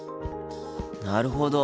なるほど。